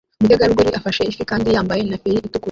Umutegarugori afashe ifi kandi yambaye na feri itukura